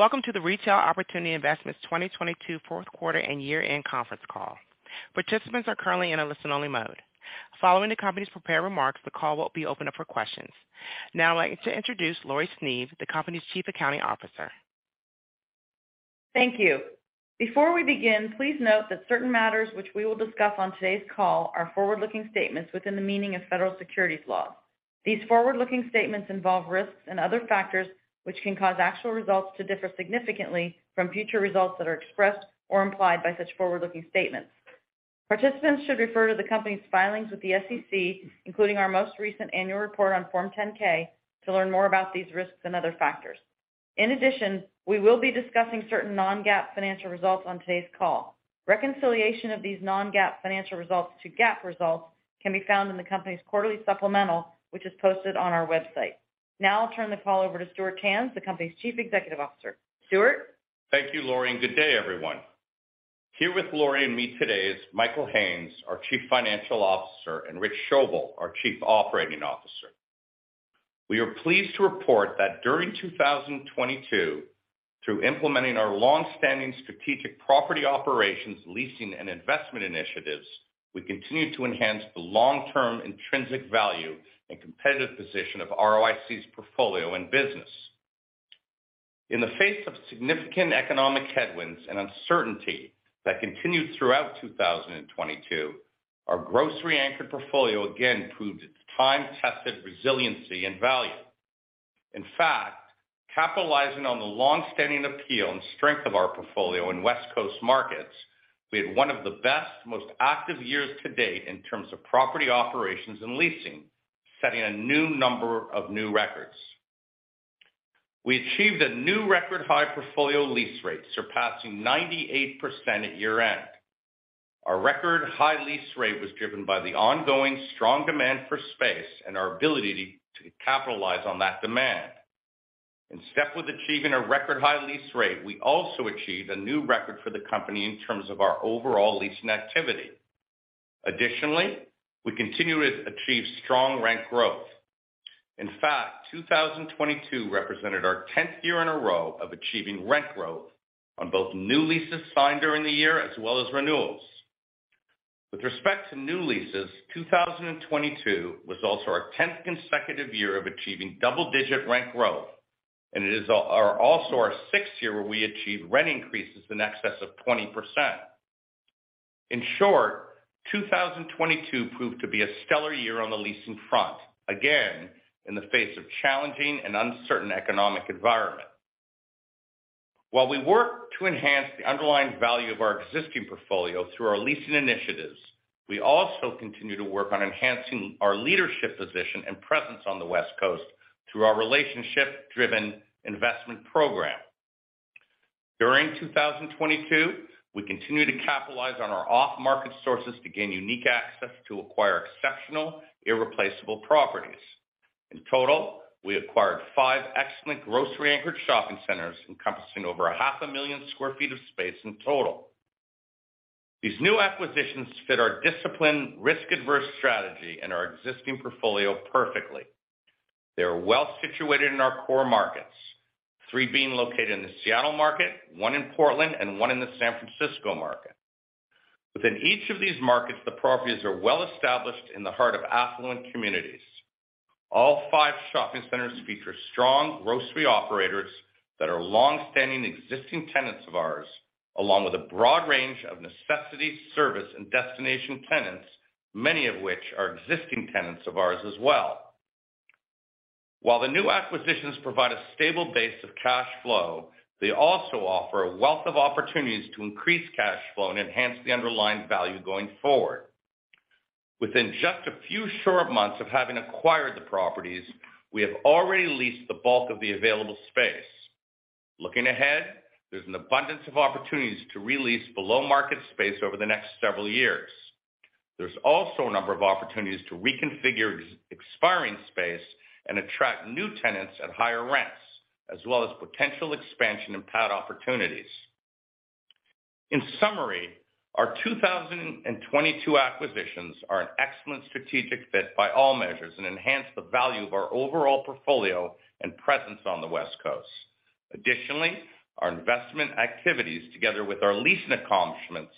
Welcome to the Retail Opportunity Investments 2022 fourth quarter and year-end conference call. Participants are currently in a listen-only mode. Following the company's prepared remarks, the call will be opened up for questions. Now I'd like to introduce Laurie Sneve, the company's Chief Accounting Officer. Thank you. Before we begin, please note that certain matters which we will discuss on today's call are forward-looking statements within the meaning of federal securities laws. These forward-looking statements involve risks and other factors which can cause actual results to differ significantly from future results that are expressed or implied by such forward-looking statements. Participants should refer to the company's filings with the SEC, including our most recent annual report on Form 10-K, to learn more about these risks and other factors. We will be discussing certain non-GAAP financial results on today's call. Reconciliation of these non-GAAP financial results to GAAP results can be found in the company's quarterly supplemental, which is posted on our website. I'll turn the call over to Stuart Tanz, the company's Chief Executive Officer. Stuart? Thank you, Laurie. Good day, everyone. Here with Laurie and me today is Michael Haines, our Chief Financial Officer, and Rich Schoebel, our Chief Operating Officer. We are pleased to report that during 2022, through implementing our long-standing strategic property operations, leasing, and investment initiatives, we continued to enhance the long-term intrinsic value and competitive position of ROIC's portfolio and business. In the face of significant economic headwinds and uncertainty that continued throughout 2022, our grocery-anchored portfolio again proved its time-tested resiliency and value. In fact, capitalizing on the long-standing appeal and strength of our portfolio in West Coast markets, we had one of the best, most active years to date in terms of property operations and leasing, setting a new number of new records. We achieved a new record high portfolio lease rate, surpassing 98% at year-end. Our record high lease rate was driven by the ongoing strong demand for space and our ability to capitalize on that demand. In step with achieving a record high lease rate, we also achieved a new record for the company in terms of our overall leasing activity. We continue to achieve strong rent growth. In fact, 2022 represented our 10th year in a row of achieving rent growth on both new leases signed during the year as well as renewals. With respect to new leases, 2022 was also our 10th consecutive year of achieving double-digit rent growth, and it is also our sixth year where we achieved rent increases in excess of 20%. In short, 2022 proved to be a stellar year on the leasing front, again, in the face of challenging and uncertain economic environment. While we work to enhance the underlying value of our existing portfolio through our leasing initiatives, we also continue to work on enhancing our leadership position and presence on the West Coast through our relationship-driven investment program. During 2022, we continued to capitalize on our off-market sources to gain unique access to acquire exceptional, irreplaceable properties. In total, we acquired five excellent grocery-anchored shopping centers encompassing over 500,000 sq ft of space in total. These new acquisitions fit our discipline, risk-averse strategy, and our existing portfolio perfectly. They are well situated in our core markets, three being located in the Seattle market, one in Portland, and one in the San Francisco market. Within each of these markets, the properties are well established in the heart of affluent communities. All five shopping centers feature strong grocery operators that are longstanding existing tenants of ours, along with a broad range of necessities, service, and destination tenants, many of which are existing tenants of ours as well. While the new acquisitions provide a stable base of cash flow, they also offer a wealth of opportunities to increase cash flow and enhance the underlying value going forward. Within just a few short months of having acquired the properties, we have already leased the bulk of the available space. Looking ahead, there's an abundance of opportunities to re-lease below market space over the next several years. There's also a number of opportunities to reconfigure expiring space and attract new tenants at higher rents, as well as potential expansion and pad opportunities. In summary, our 2022 acquisitions are an excellent strategic fit by all measures and enhance the value of our overall portfolio and presence on the West Coast. Additionally, our investment activities, together with our leasing accomplishments,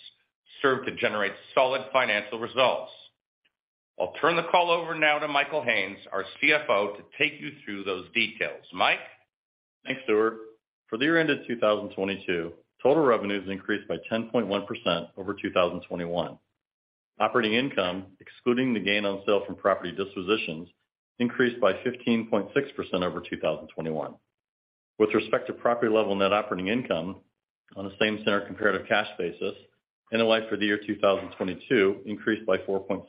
serve to generate solid financial results. I'll turn the call over now to Michael Haines, our CFO, to take you through those details. Mike? Thanks, Stuart. For the year end of 2022, total revenues increased by 10.1% over 2021. Operating income, excluding the gain on sale from property dispositions, increased by 15.6% over 2021. With respect to property level net operating income on a same-center comparative cash basis, NOI for the year 2022 increased by 4.6%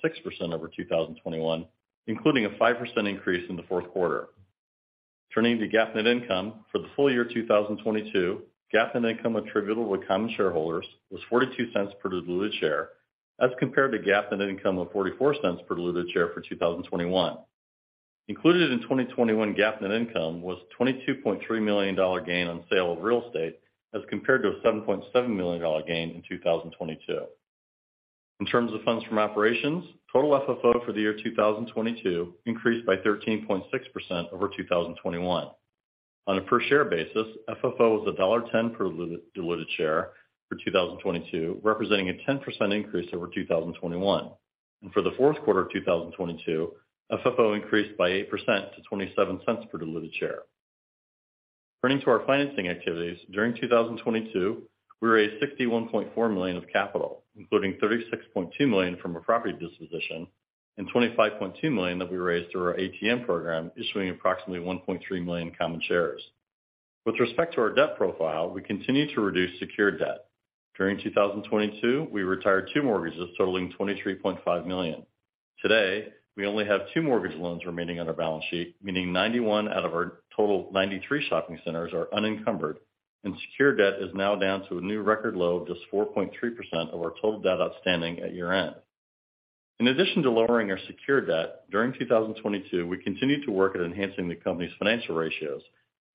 over 2021, including a 5% increase in the fourth quarter. Turning to GAAP net income for the full year 2022, GAAP net income attributable to common shareholders was $0.42 per diluted share as compared to GAAP net income of $0.44 per diluted share for 2021. Included in 2021 GAAP net income was $22.3 million gain on sale of real estate as compared to a $7.7 million gain in 2022. In terms of funds from operations, total FFO for the year 2022 increased by 13.6% over 2021. On a per share basis, FFO was $1.10 per diluted share for 2022, representing a 10% increase over 2021. For the fourth quarter of 2022, FFO increased by 8% to $0.27 per diluted share. Turning to our financing activities, during 2022, we raised $61.4 million of capital, including $36.2 million from a property disposition and $25.2 million that we raised through our ATM program, issuing approximately 1.3 million common shares. With respect to our debt profile, we continue to reduce secured debt. During 2022, we retired 2 mortgages totaling $23.5 million. Today, we only have two mortgage loans remaining on our balance sheet, meaning 91 out of our total 93 shopping centers are unencumbered, and secure debt is now down to a new record low of just 4.3% of our total debt outstanding at year-end. In addition to lowering our secure debt, during 2022, we continued to work at enhancing the company's financial ratios,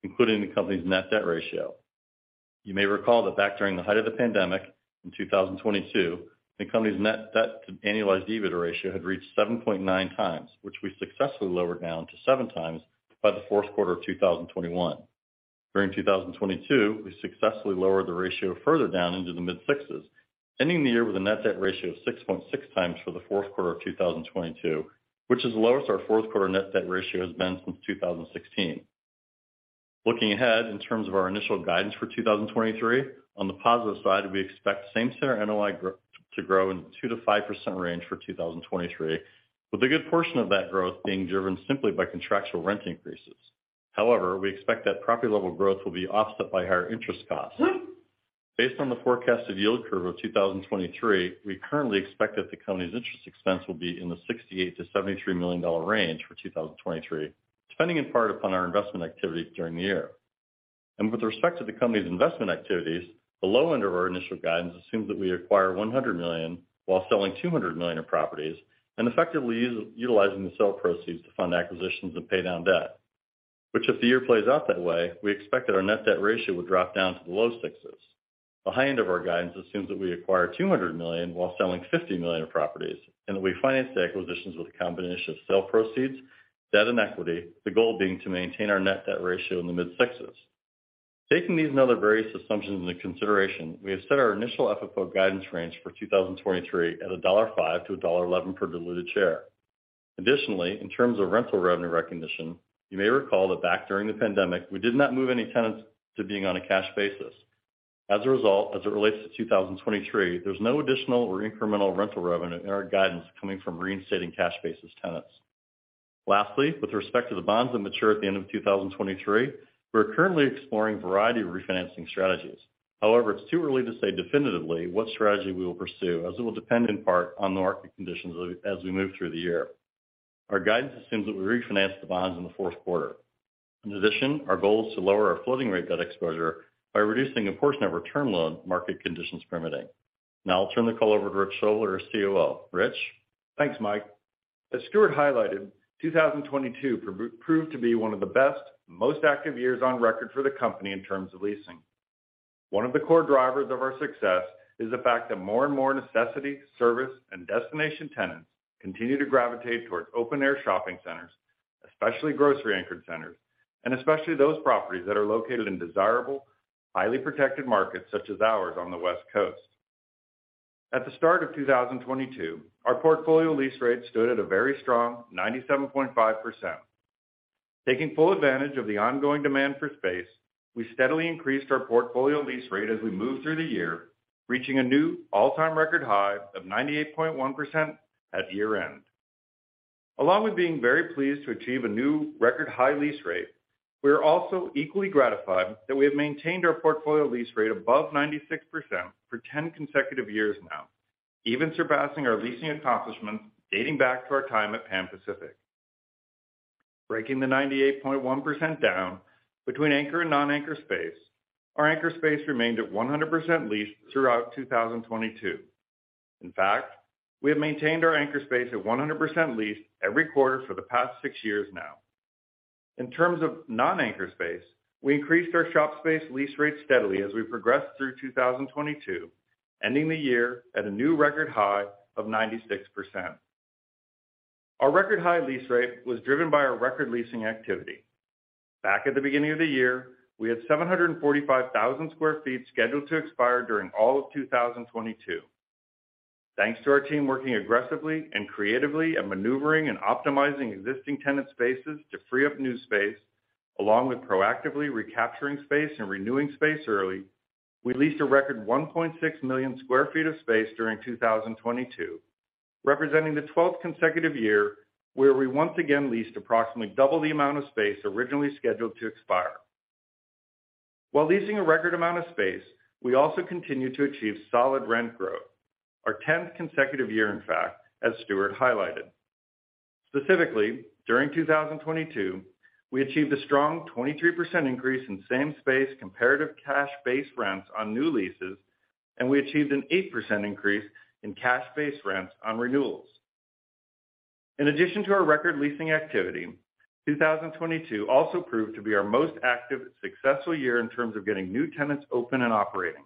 including the company's net debt ratio. You may recall that back during the height of the pandemic in 2022, the company's net debt to annualized EBITDA ratio had reached 7.9x, which we successfully lowered down to 7x by the fourth quarter of 2021. During 2022, we successfully lowered the ratio further down into the mid-sixes, ending the year with a net debt ratio of 6.6x for the fourth quarter of 2022, which is the lowest our fourth quarter net debt ratio has been since 2016. Looking ahead in terms of our initial guidance for 2023, on the positive side, we expect same center NOI to grow in 2%-5% range for 2023, with a good portion of that growth being driven simply by contractual rent increases. However, we expect that property level growth will be offset by higher interest costs. Based on the forecasted yield curve of 2023, we currently expect that the company's interest expense will be in the $68 million-$73 million range for 2023, depending in part upon our investment activities during the year. With respect to the company's investment activities, the low end of our initial guidance assumes that we acquire $100 million while selling $200 million of properties and effectively utilizing the sale proceeds to fund acquisitions and pay down debt. If the year plays out that way, we expect that our net debt ratio will drop down to the low sixes. The high end of our guidance assumes that we acquire $200 million while selling $50 million of properties, and that we finance the acquisitions with a combination of sale proceeds, debt, and equity, the goal being to maintain our net debt ratio in the mid-sixes. Taking these and other various assumptions into consideration, we have set our initial FFO guidance range for 2023 at $1.05-$1.11 per diluted share. Additionally, in terms of rental revenue recognition, you may recall that back during the pandemic, we did not move any tenants to being on a cash basis. As a result, as it relates to 2023, there's no additional or incremental rental revenue in our guidance coming from reinstating cash basis tenants. Lastly, with respect to the bonds that mature at the end of 2023, we're currently exploring a variety of refinancing strategies. However, it's too early to say definitively what strategy we will pursue, as it will depend in part on the market conditions as we move through the year. Our guidance assumes that we refinance the bonds in the fourth quarter. In addition, our goal is to lower our floating rate debt exposure by reducing a portion of our term loan, market conditions permitting. Now I'll turn the call over to Rich Schoebel, our COO. Rich? Thanks, Mike. As Stuart highlighted, 2022 proved to be one of the best, most active years on record for the company in terms of leasing. One of the core drivers of our success is the fact that more and more necessity, service, and destination tenants continue to gravitate towards open air shopping centers, especially grocery anchored centers, and especially those properties that are located in desirable, highly protected markets such as ours on the West Coast. At the start of 2022, our portfolio lease rate stood at a very strong 97.5%. Taking full advantage of the ongoing demand for space, we steadily increased our portfolio lease rate as we moved through the year, reaching a new all-time record high of 98.1% at year-end. Along with being very pleased to achieve a new record high lease rate, we are also equally gratified that we have maintained our portfolio lease rate above 96% for 10 consecutive years now, even surpassing our leasing accomplishments dating back to our time at Pan Pacific. Breaking the 98.1% down between anchor and non-anchor space, our anchor space remained at 100% leased throughout 2022. In fact, we have maintained our anchor space at 100% leased every quarter for the past six years now. In terms of non-anchor space, we increased our shop space lease rate steadily as we progressed through 2022, ending the year at a new record high of 96%. Our record high lease rate was driven by our record leasing activity. Back at the beginning of the year, we had 745,000 sq ft scheduled to expire during all of 2022. Thanks to our team working aggressively and creatively at maneuvering and optimizing existing tenant spaces to free up new space, along with proactively recapturing space and renewing space early, we leased a record 1.6 million sq ft of space during 2022, representing the 12th consecutive year where we once again leased approximately double the amount of space originally scheduled to expire. While leasing a record amount of space, we also continued to achieve solid rent growth, our 10th consecutive year in fact, as Stuart highlighted. Specifically, during 2022, we achieved a strong 23% increase in same space comparative cash base rents on new leases, and we achieved an 8% increase in cash base rents on renewals. In addition to our record leasing activity, 2022 also proved to be our most active successful year in terms of getting new tenants open and operating.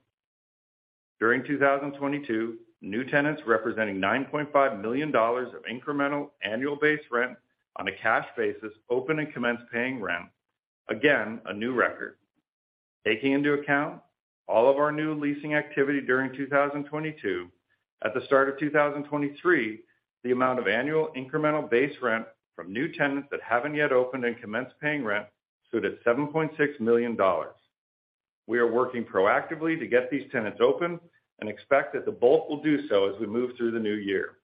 During 2022, new tenants representing $9.5 million of incremental annual base rent on a cash basis open and commence paying rent. Again, a new record. Taking into account all of our new leasing activity during 2022, at the start of 2023, the amount of annual incremental base rent from new tenants that haven't yet opened and commenced paying rent stood at $7.6 million. We are working proactively to get these tenants open and expect that the bulk will do so as we move through the new year.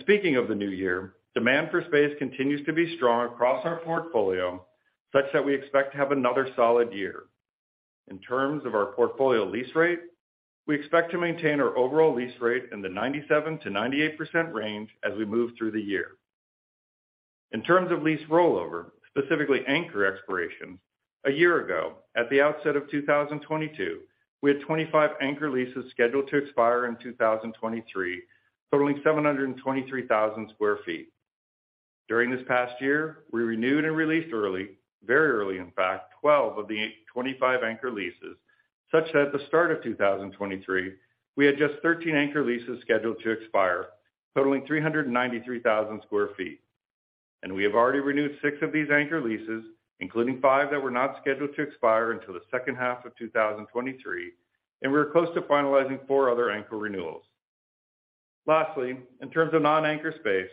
Speaking of the new year, demand for space continues to be strong across our portfolio, such that we expect to have another solid year. In terms of our portfolio lease rate, we expect to maintain our overall lease rate in the 97%-98% range as we move through the year. In terms of lease rollover, specifically anchor expirations, a year ago, at the outset of 2022, we had 25 anchor leases scheduled to expire in 2023, totaling 723,000 sq ft. During this past year, we renewed and re-leased early, very early in fact, 12 of the 25 anchor leases, such that at the start of 2023, we had just 13 anchor leases scheduled to expire, totaling 393,000 sq ft. We have already renewed six of these anchor leases, including five that were not scheduled to expire until the second half of 2023, and we are close to finalizing four other anchor renewals. Lastly, in terms of non-anchor space,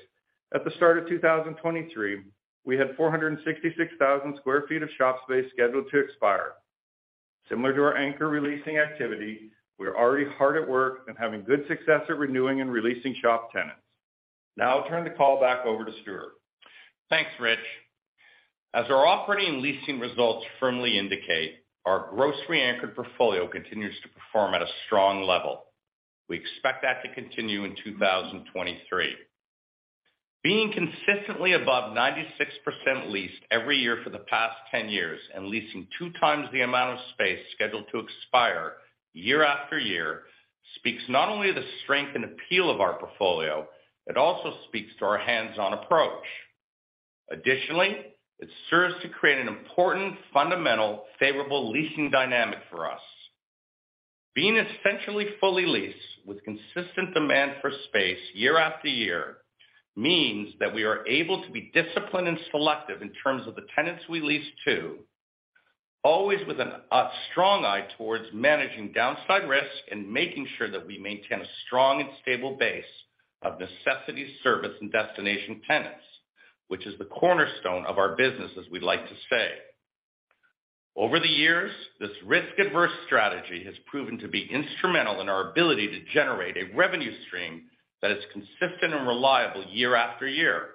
at the start of 2023, we had 466,000 sq ft of shop space scheduled to expire. Similar to our anchor re-leasing activity, we're already hard at work and having good success at renewing and re-leasing shop tenants. I'll turn the call back over to Stuart. Thanks, Rich. As our operating and leasing results firmly indicate, our grocery anchored portfolio continues to perform at a strong level. We expect that to continue in 2023. Being consistently above 96% leased every year for the past 10 years and leasing two times the amount of space scheduled to expire year after year speaks not only to the strength and appeal of our portfolio, it also speaks to our hands-on approach. Additionally, it serves to create an important, fundamental, favorable leasing dynamic for us. Being essentially fully leased with consistent demand for space year after year means that we are able to be disciplined and selective in terms of the tenants we lease to, always with a strong eye towards managing downside risk and making sure that we maintain a strong and stable base of necessity service and destination tenants, which is the cornerstone of our business, as we like to say. Over the years, this risk-averse strategy has proven to be instrumental in our ability to generate a revenue stream that is consistent and reliable year after year.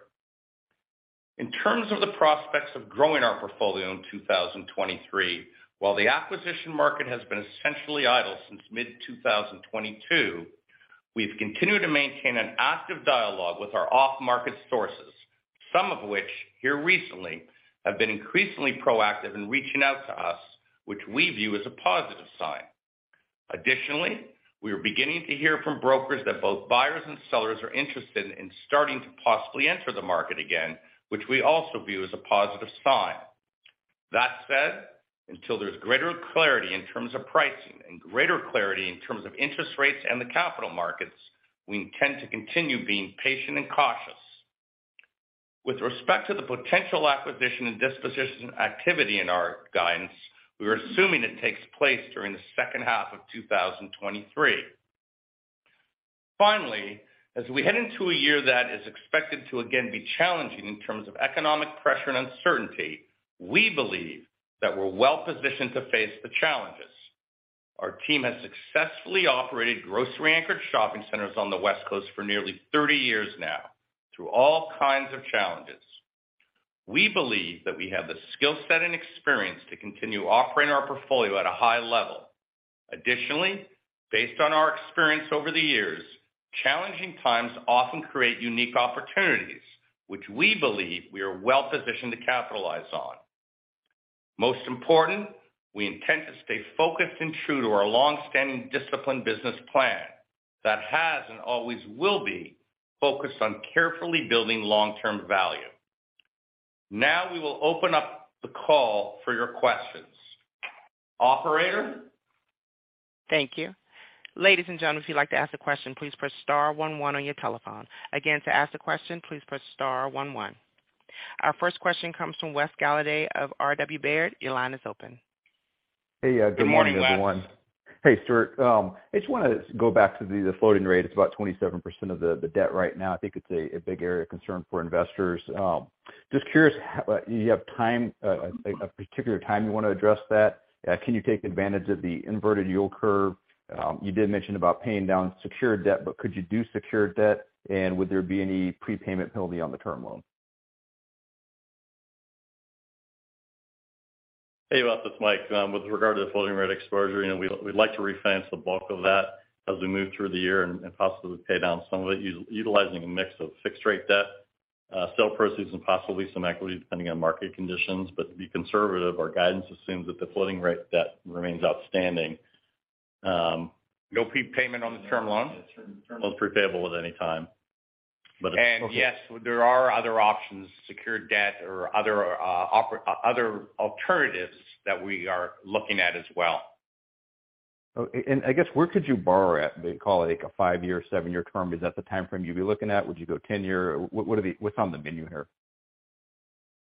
In terms of the prospects of growing our portfolio in 2023, while the acquisition market has been essentially idle since mid-2022, we've continued to maintain an active dialogue with our off-market sources. Some of which here recently have been increasingly proactive in reaching out to us, which we view as a positive sign. Additionally, we are beginning to hear from brokers that both buyers and sellers are interested in starting to possibly enter the market again, which we also view as a positive sign. That said, until there's greater clarity in terms of pricing and greater clarity in terms of interest rates and the capital markets, we intend to continue being patient and cautious. With respect to the potential acquisition and disposition activity in our guidance, we're assuming it takes place during the second half of 2023. Finally, as we head into a year that is expected to again be challenging in terms of economic pressure and uncertainty, we believe that we're well positioned to face the challenges. Our team has successfully operated grocery-anchored shopping centers on the West Coast for nearly 30 years now through all kinds of challenges. We believe that we have the skill set and experience to continue operating our portfolio at a high level. Additionally, based on our experience over the years, challenging times often create unique opportunities, which we believe we are well positioned to capitalize on. Most important, we intend to stay focused and true to our long-standing discipline business plan that has and always will be focused on carefully building long-term value. Now we will open up the call for your questions. Operator? Thank you. Ladies and gentlemen, if you'd like to ask a question, please press star one one on your telephone. Again, to ask a question, please press star one one. Our first question comes from Wes Golladay of RW Baird. Your line is open. Good morning, Wes. Hey, good morning, everyone. Hey, Stuart. I just wanna go back to the floating rate. It's about 27% of the debt right now. I think it's a big area of concern for investors. Just curious how you have a particular time you want to address that. Can you take advantage of the inverted yield curve? You did mention about paying down secured debt, but could you do secured debt? Would there be any prepayment penalty on the term loan? Hey, Wes. It's Mike. With regard to the floating rate exposure, you know, we'd like to refinance the bulk of that as we move through the year and possibly pay down some of it utilizing a mix of fixed rate debt, sale proceeds, and possibly some equity depending on market conditions. To be conservative, our guidance assumes that the floating rate debt remains outstanding. No pre-payment on the term loan. Yeah, the term loan's pre-payable at any time. Yes, there are other options, secured debt or other alternatives that we are looking at as well. I guess where could you borrow at, call it like a five-year, seven-year term? Is that the time frame you'd be looking at? Would you go 10-year? What's on the menu here?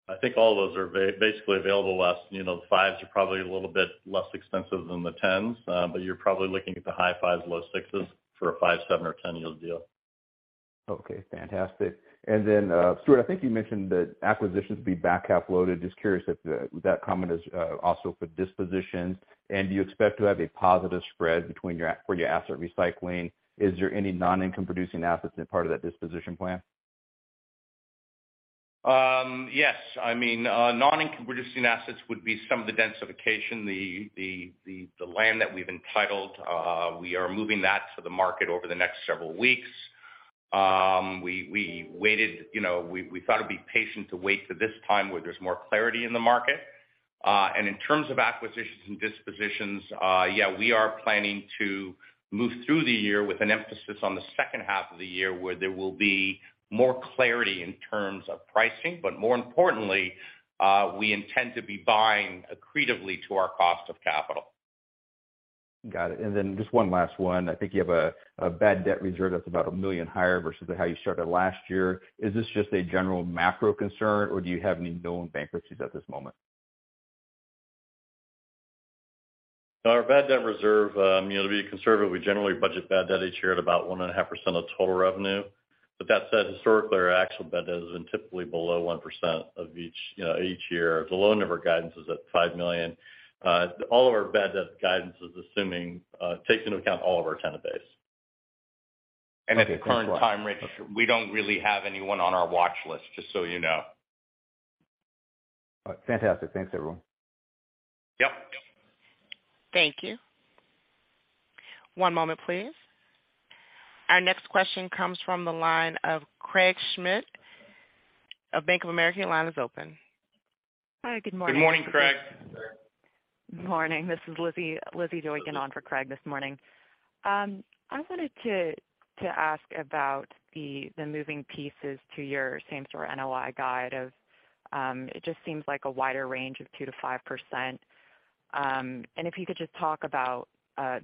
I think all those are basically available to us. You know, the fives are probably a little bit less expensive than the 10s, but you're probably looking at the high fives, low sixes for a five, seven or 10-year deal. Okay, fantastic. Stuart, I think you mentioned that acquisitions would be back half loaded. Just curious if that comment is also for dispositions. Do you expect to have a positive spread between your for your asset recycling? Is there any non-income producing assets as part of that disposition plan? Yes. I mean, non-income producing assets would be some of the densification, the land that we've entitled. We are moving that to the market over the next several weeks. We waited, you know, we thought it'd be patient to wait for this time where there's more clarity in the market. In terms of acquisitions and dispositions, yeah, we are planning to move through the year with an emphasis on the second half of the year where there will be more clarity in terms of pricing. More importantly, we intend to be buying accretively to our cost of capital. Got it. Then just one last one. I think you have a bad debt reserve that's about $1 million higher versus how you started last year. Is this just a general macro concern, or do you have any known bankruptcies at this moment? Our bad debt reserve, you know, to be conservative, we generally budget bad debt each year at about 1.5% of total revenue. That said, historically, our actual bad debt has been typically below 1% of each year. The loan number guidance is at $5 million. All of our bad debt guidance is assuming, takes into account all of our tenant base. At the current time, Wes, we don't really have anyone on our watch list, just so you know. All right. Fantastic. Thanks, everyone. Yep. Thank you. One moment, please. Our next question comes from the line of Craig Schmidt of Bank of America. Line is open. Hi. Good morning. Good morning, Craig. Morning. This is Lizzy Doykan on for Craig this morning. I wanted to ask about the moving pieces to your same-store NOI guide of... It just seems like a wider range of 2%-5%. If you could just talk about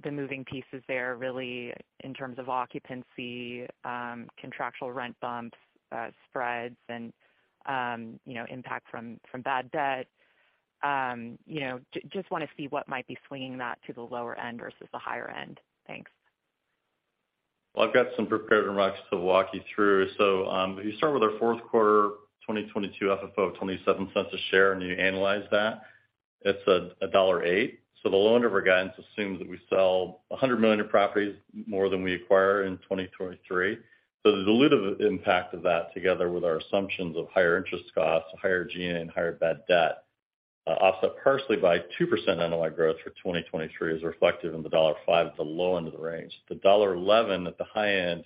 the moving pieces there really in terms of occupancy, contractual rent bumps, spreads and, you know, impact from bad debt. You know, just wanna see what might be swinging that to the lower end versus the higher end. Thanks. I've got some prepared remarks to walk you through. If you start with our fourth quarter 2022 FFO of $0.27 a share, and you analyze that, it's a $1.08. The loan over guidance assumes that we sell $100 million in properties more than we acquire in 2023. The dilutive impact of that, together with our assumptions of higher interest costs, higher G&A, and higher bad debt, offset partially by 2% NOI growth for 2023 is reflective in the $1.05 at the low end of the range. The $1.11 at the high end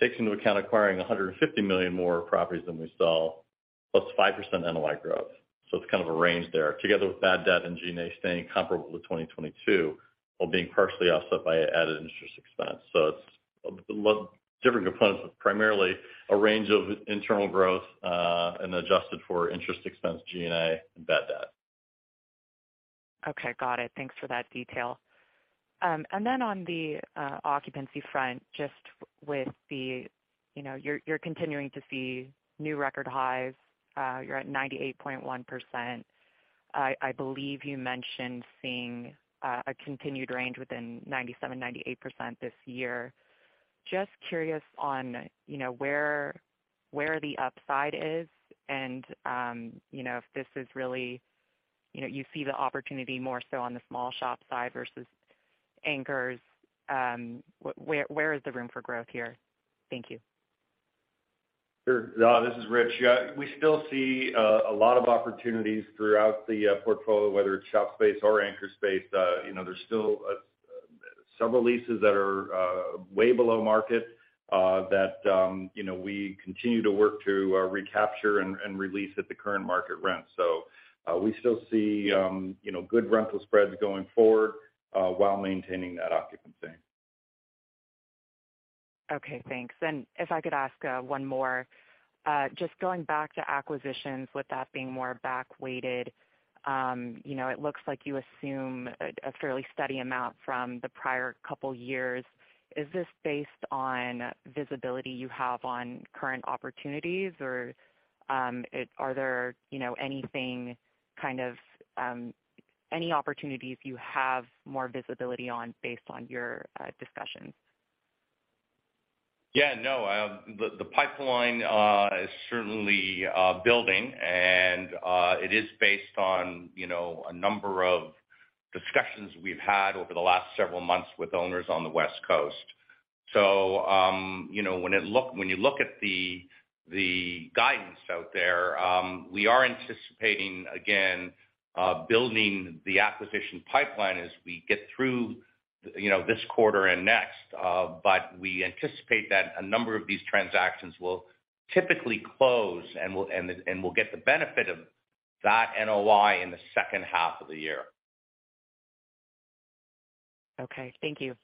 takes into account acquiring $150 million more properties than we sell, plus 5% NOI growth. It's kind of a range there. Together with bad debt and G&A staying comparable to 2022, while being partially offset by added interest expense. It's a lot different components, but primarily a range of internal growth, and adjusted for interest expense, G&A and bad debt. Okay, got it. Thanks for that detail. On the occupancy front, just with the... You know, you're continuing to see new record highs. You're at 98.1%. I believe you mentioned seeing a continued range within 97%-98% this year. Just curious on, you know, where the upside is and, you know, if this is really, you know, you see the opportunity more so on the small shop side versus anchors. Where is the room for growth here? Thank you. Sure. This is Rich. Yeah, we still see a lot of opportunities throughout the portfolio, whether it's shop space or anchor space. You know, there's still some leases that are way below market that, you know, we continue to work to recapture and release at the current market rent. We still see, you know, good rental spreads going forward while maintaining that occupancy. Okay, thanks. If I could ask one more. Just going back to acquisitions, with that being more back-weighted, you know, it looks like you assume a fairly steady amount from the prior two years. Is this based on visibility you have on current opportunities, or, are there, you know, anything kind of any opportunities you have more visibility on based on your discussions? Yeah, no. The pipeline is certainly building, and it is based on, you know, a number of discussions we've had over the last several months with owners on the West Coast. You know, when you look at the guidance out there, we are anticipating, again, building the acquisition pipeline as we get through, you know, this quarter and next. We anticipate that a number of these transactions will typically close and we'll get the benefit of, that NOI in the second half of the year. Okay. Thank you.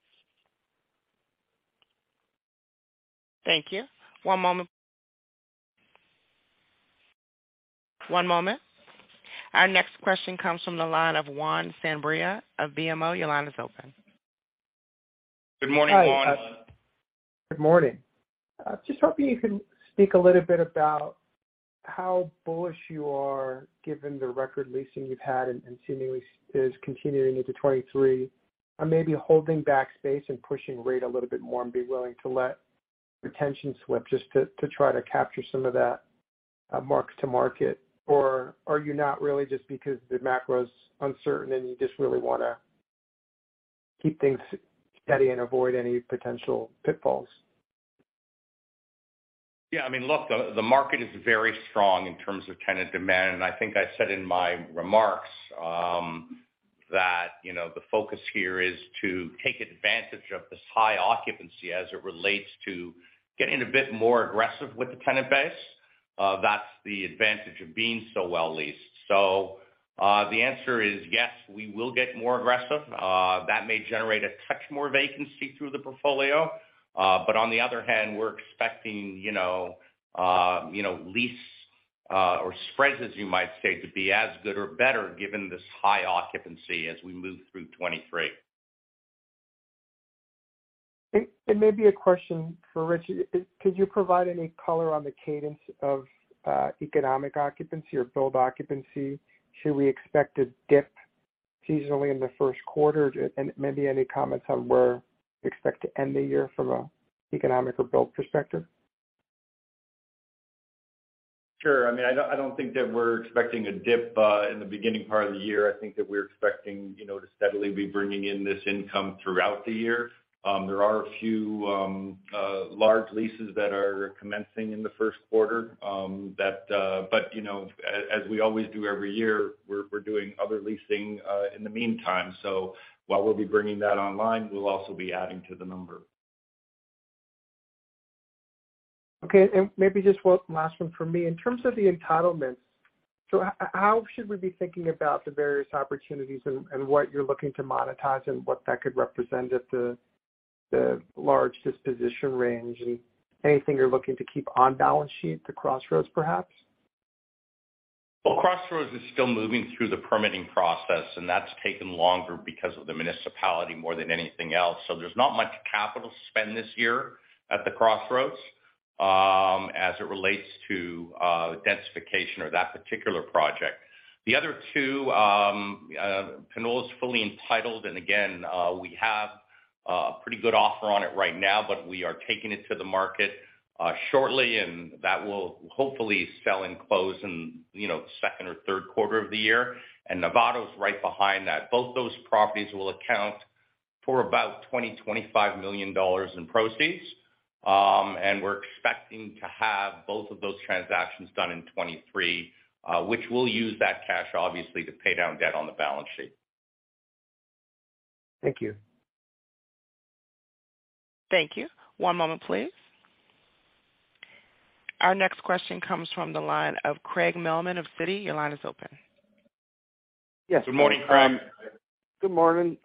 Thank you. One moment please. One moment. Our next question comes from the line of Juan Sanabria of BMO. Your line is open. Good morning, Juan. Good morning. Just hoping you can speak a little bit about how bullish you are, given the record leasing you've had and seemingly is continuing into 2023, or maybe holding back space and pushing rate a little bit more and be willing to let retention slip just to try to capture some of that mark-to-market. Are you not really just because the macro's uncertain, and you just really wanna keep things steady and avoid any potential pitfalls? Yeah. I mean, look, the market is very strong in terms of tenant demand. I think I said in my remarks, that, you know, the focus here is to take advantage of this high occupancy as it relates to getting a bit more aggressive with the tenant base. That's the advantage of being so well-leased. The answer is yes, we will get more aggressive. That may generate a touch more vacancy through the portfolio. On the other hand, we're expecting, you know, you know, lease, or spreads, as you might say, to be as good or better given this high occupancy as we move through 2023. It may be a question for Rich. Could you provide any color on the cadence of economic occupancy or build occupancy? Should we expect a dip seasonally in the first quarter? Maybe any comments on where we expect to end the year from a economic or build perspective. Sure. I mean, I don't think that we're expecting a dip in the beginning part of the year. I think that we're expecting, you know, to steadily be bringing in this income throughout the year. There are a few large leases that are commencing in the first quarter. You know, as we always do every year, we're doing other leasing in the meantime. While we'll be bringing that online, we'll also be adding to the number. Okay. Maybe just one last one from me. In terms of the entitlements, so how should we be thinking about the various opportunities and what you're looking to monetize and what that could represent at the large disposition range? Anything you're looking to keep on balance sheet, the Crossroads perhaps? Crossroads is still moving through the permitting process, and that's taken longer because of the municipality more than anything else. There's not much capital spend this year at the Crossroads as it relates to densification or that particular project. The other two, Pinole is fully entitled, and again, we have a pretty good offer on it right now, but we are taking it to the market shortly, and that will hopefully sell and close in, you know, second or third quarter of the year. Novato is right behind that. Both those properties will account for about $20 million-$25 million in proceeds. We're expecting to have both of those transactions done in 2023, which we'll use that cash, obviously, to pay down debt on the balance sheet. Thank you. Thank you. One moment, please. Our next question comes from the line of Craig Mailman of Citi. Your line is open. Yes. Good morning, Craig. Good morning.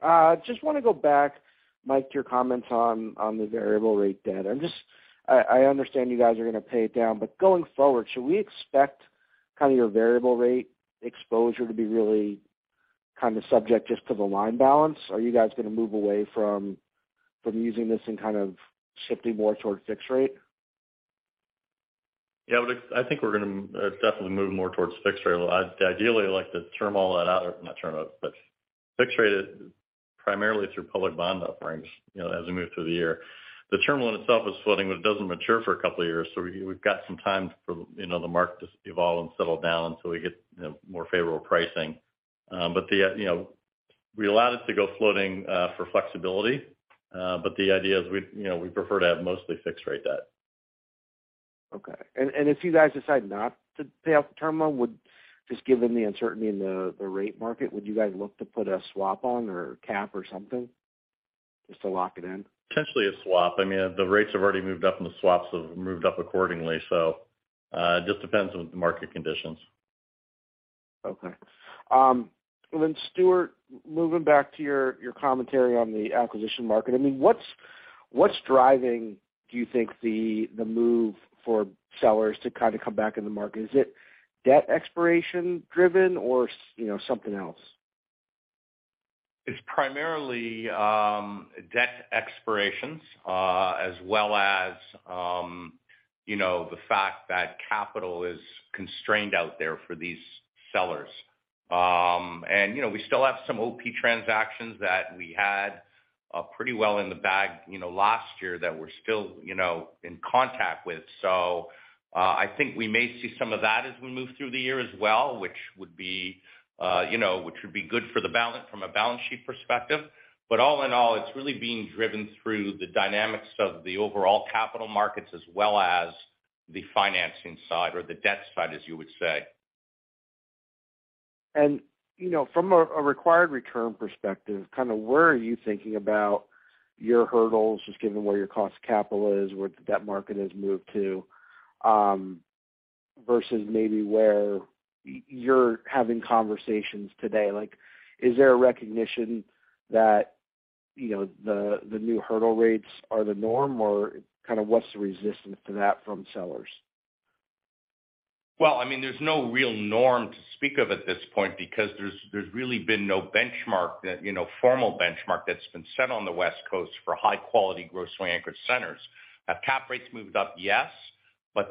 Just wanna go back, Mike, to your comments on the variable rate debt. I understand you guys are gonna pay it down. Going forward, should we expect kind of your variable rate exposure to be really kind of subject just to the line balance? Are you guys gonna move away from using this and kind of shifting more towards fixed rate? Yeah. I think we're gonna definitely move more towards fixed rate. I'd ideally like to term all that out, or not term out, but fix rate it primarily through public bond offerings, you know, as we move through the year. The term loan itself is floating, but it doesn't mature for a couple of years, so we've got some time for, you know, the market to evolve and settle down until we get, you know, more favorable pricing. The, you know, we allowed it to go floating for flexibility, but the idea is we'd, you know, we'd prefer to have mostly fixed rate debt. Okay. If you guys decide not to pay off the term loan, just given the uncertainty in the rate market, would you guys look to put a swap on or a cap or something, just to lock it in? Potentially a swap. I mean, the rates have already moved up, and the swaps have moved up accordingly. It just depends on the market conditions. Stuart, moving back to your commentary on the acquisition market. I mean, what's driving, do you think, the move for sellers to kind of come back in the market? Is it debt expiration driven or you know, something else? It's primarily, debt expirations, as well as, you know, the fact that capital is constrained out there for these sellers. You know, we still have some OP transactions that we had pretty well in the bag, you know, last year that we're still, you know, in contact with. I think we may see some of that as we move through the year as well, which would be, you know, which would be good from a balance sheet perspective. All in all, it's really being driven through the dynamics of the overall capital markets as well as the financing side or the debt side, as you would say. You know, from a required return perspective, kind of where are you thinking about your hurdles, just given where your cost of capital is, where the debt market has moved to, versus maybe where you're having conversations today? Like, is there a recognition that, you know, the new hurdle rates are the norm, or kind of what's the resistance to that from sellers? Well, I mean, there's no real norm to speak of at this point because there's really been no benchmark that, you know, formal benchmark that's been set on the West Coast for high-quality grocery-anchored centers. Have cap rates moved up? Yes.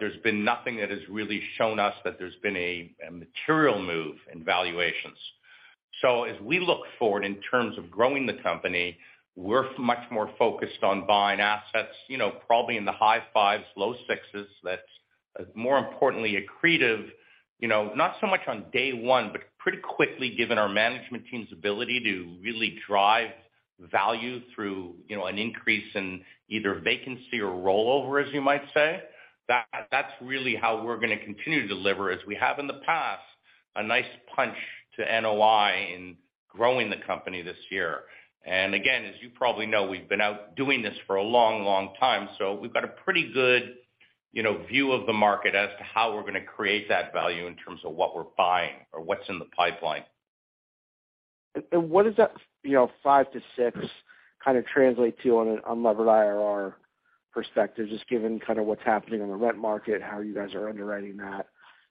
There's been nothing that has really shown us that there's been a material move in valuations. As we look forward in terms of growing the company, we're much more focused on buying assets, you know, probably in the high fives, low sixes, that's, more importantly, accretive, you know, not so much on day one, but pretty quickly given our management team's ability to really drive value through, you know, an increase in either vacancy or rollover, as you might say. That's really how we're gonna continue to deliver, as we have in the past, a nice punch to NOI in growing the company this year. Again, as you probably know, we've been out doing this for a long, long time, we've got a pretty good, you know, view of the market as to how we're gonna create that value in terms of what we're buying or what's in the pipeline. What does that, you know, 5%-6% kind of translate to on an unlevered IRR perspective, just given kind of what's happening on the rent market, how you guys are underwriting that,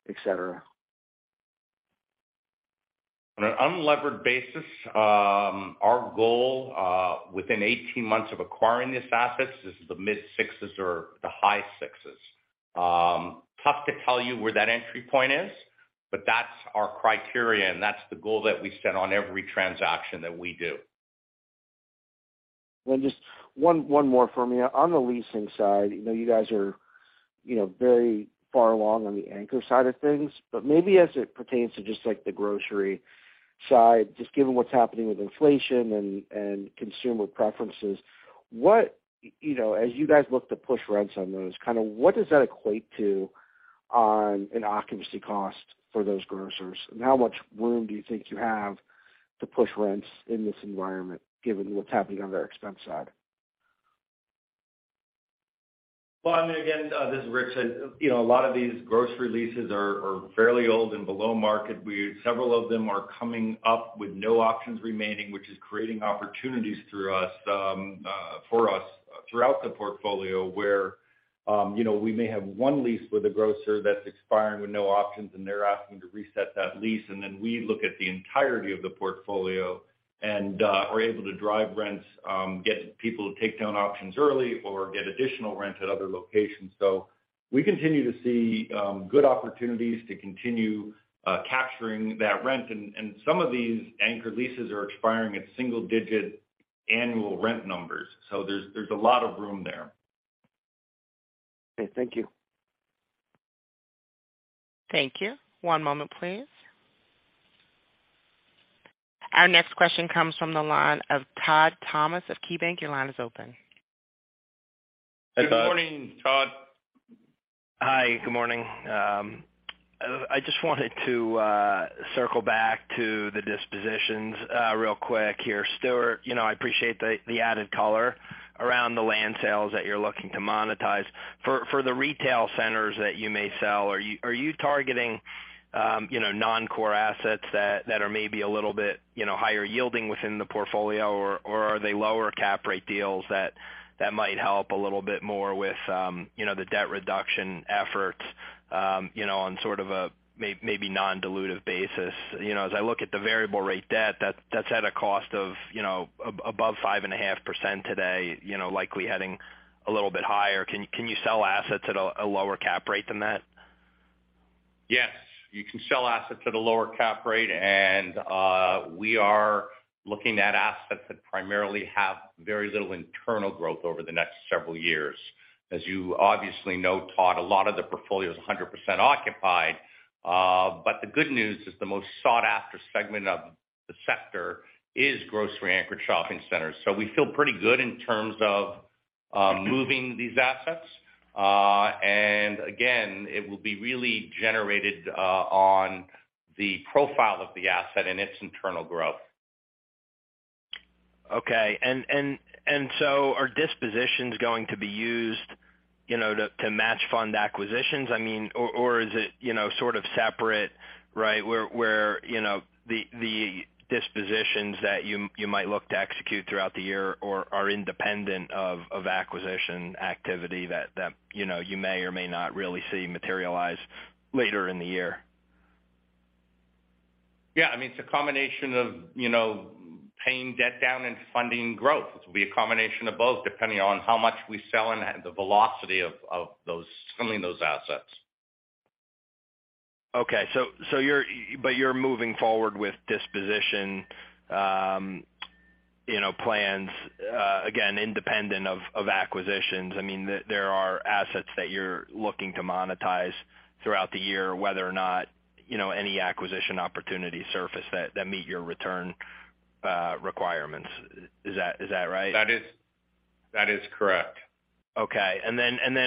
et cetera? On an unlevered basis, our goal within 18 months of acquiring these assets is the mid sixes or the high sixes. Tough to tell you where that entry point is, that's our criteria, and that's the goal that we set on every transaction that we do. Just one more for me. On the leasing side, you know, you guys are, you know, very far along on the anchor side of things, but maybe as it pertains to just like the grocery side, just given what's happening with inflation and consumer preferences. You know, as you guys look to push rents on those, kind of what does that equate to on an occupancy cost for those grocers? How much room do you think you have to push rents in this environment, given what's happening on their expense side? Well, I mean, again, this is Rich. You know, a lot of these grocery leases are fairly old and below market. Several of them are coming up with no options remaining, which is creating opportunities through us, for us throughout the portfolio, where, you know, we may have one lease with a grocer that's expiring with no options, and they're asking to reset that lease, and then we look at the entirety of the portfolio and are able to drive rents, get people to take down options early or get additional rent at other locations. We continue to see good opportunities to continue capturing that rent. Some of these anchor leases are expiring at single-digit annual rent numbers. There's a lot of room there. Okay. Thank you. Thank you. One moment please. Our next question comes from the line of Todd Thomas of KeyBank. Your line is open. Good morning, Todd. Hi. Good morning. I just wanted to circle back to the dispositions real quick here. Stuart, you know, I appreciate the added color around the land sales that you're looking to monetize. For the retail centers that you may sell, are you targeting, you know, non-core assets that are maybe a little bit, you know, higher yielding within the portfolio, or are they lower cap rate deals that might help a little bit more with, you know, the debt reduction efforts, you know, on sort of a non-dilutive basis? You know, as I look at the variable rate debt, that's at a cost of, you know, above 5.5% today, you know, likely heading a little bit higher. Can you sell assets at a lower cap rate than that? Yes, you can sell assets at a lower cap rate. We are looking at assets that primarily have very little internal growth over the next several years. As you obviously know, Todd, a lot of the portfolio is 100% occupied. The good news is the most sought-after segment of the sector is grocery-anchored shopping centers. We feel pretty good in terms of moving these assets. Again, it will be really generated on the profile of the asset and its internal growth. Okay. Are dispositions going to be used, you know, to match fund acquisitions? I mean. Is it, you know, sort of separate, right, where, you know, the, dispositions that you might look to execute throughout the year are independent of acquisition activity that, you know, you may or may not really see materialize later in the year? Yeah. I mean, it's a combination of, you know, paying debt down and funding growth. It will be a combination of both, depending on how much we sell and the velocity of those selling those assets. Okay. You're moving forward with disposition, you know, plans, again, independent of acquisitions. I mean, there are assets that you're looking to monetize throughout the year, whether or not, you know, any acquisition opportunities surface that meet your return requirements. Is that right? That is correct. Okay.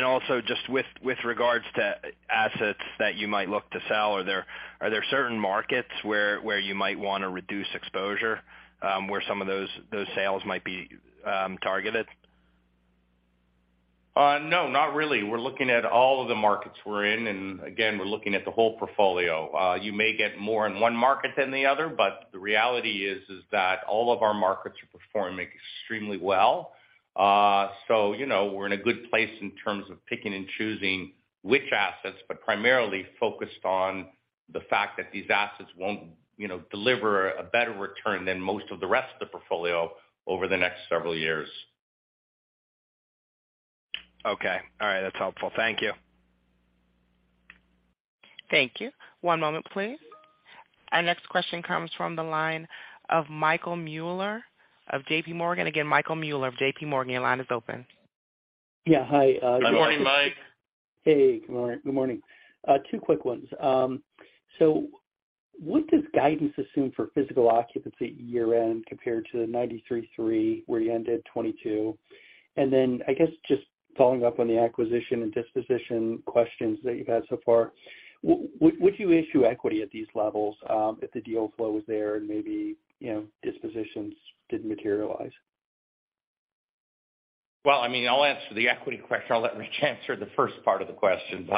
Also just with regards to assets that you might look to sell, are there certain markets where you might wanna reduce exposure, where some of those sales might be targeted? No, not really. We're looking at all of the markets we're in, and again, we're looking at the whole portfolio. You may get more in one market than the other, but the reality is that all of our markets are performing extremely well. So, you know, we're in a good place in terms of picking and choosing which assets, but primarily focused on the fact that these assets won't, you know, deliver a better return than most of the rest of the portfolio over the next several years. Okay. All right, that's helpful. Thank you. Thank you. One moment, please. Our next question comes from the line of Michael Mueller of JP Morgan. Again, Michael Mueller of JP Morgan, your line is open. Yeah, hi. Good morning, Mike. Hey, good morning. Two quick ones. What does guidance assume for physical occupancy year-end compared to the 93.3% where you ended 2022? I guess just following up on the acquisition and disposition questions that you've had so far, would you issue equity at these levels, if the deal flow was there and maybe, you know, dispositions didn't materialize? Well, I mean, I'll answer the equity question. I'll let Rich answer the first part of the question.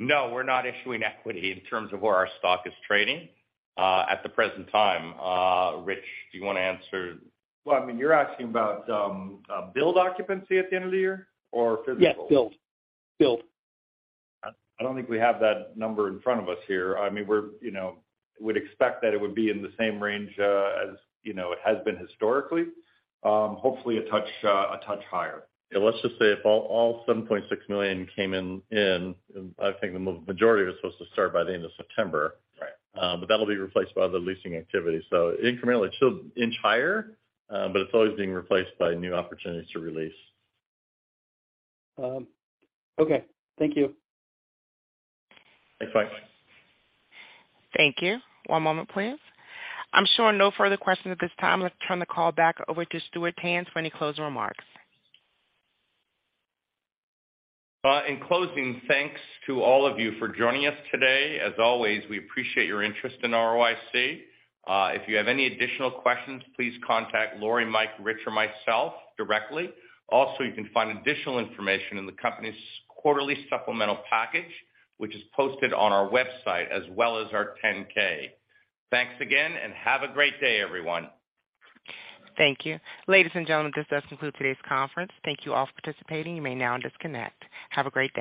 No, we're not issuing equity in terms of where our stock is trading at the present time. Rich, do you wanna answer? Well, I mean, you're asking about build occupancy at the end of the year or physical? Yes, build. I don't think we have that number in front of us here. I mean, we're, you know, would expect that it would be in the same range, as, you know, it has been historically. Hopefully a touch, a touch higher. Let's just say if all $7.6 million came in, I think the majority was supposed to start by the end of September. Right. That'll be replaced by other leasing activity. Incrementally it should inch higher, but it's always being replaced by new opportunities to re-lease. Okay. Thank you. Thanks, Mike. Thank you. One moment, please. I'm showing no further questions at this time. Let's turn the call back over to Stuart Tanz for any closing remarks. In closing, thanks to all of you for joining us today. As always, we appreciate your interest in ROIC. If you have any additional questions, please contact Laurie, Mike, Rich, or myself directly. You can find additional information in the company's quarterly supplemental package, which is posted on our website as well as our Form 10-K. Thanks again, and have a great day, everyone. Thank you. Ladies and gentlemen, this does conclude today's conference. Thank you all for participating. You may now disconnect. Have a great day.